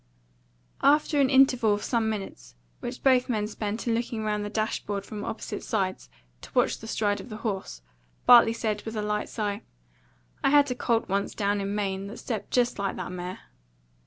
After an interval of some minutes, which both men spent in looking round the dash board from opposite sides to watch the stride of the horse, Bartley said, with a light sigh, "I had a colt once down in Maine that stepped just like that mare."